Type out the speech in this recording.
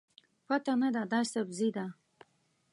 پته نه ده، دا سبزي ده.